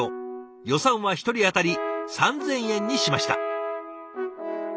予算は１人当たり３，０００円にしました。